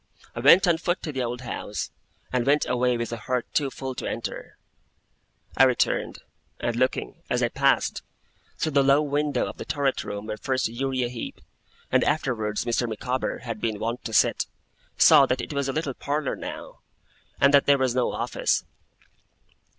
I went on foot to the old house, and went away with a heart too full to enter. I returned; and looking, as I passed, through the low window of the turret room where first Uriah Heep, and afterwards Mr. Micawber, had been wont to sit, saw that it was a little parlour now, and that there was no office.